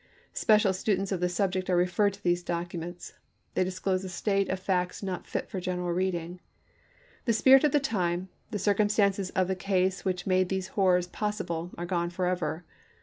Special students of the subject are referred to these documents ; they disclose a state of facts not fit for general reading. The spirit of the time, the circumstances of the case which made 464 ABRAHAM LINCOLN chap. xvi. these horrors possible, are gone forever.